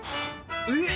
えっ！